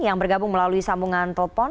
yang bergabung melalui sambungan